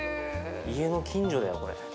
家の近所だよこれ。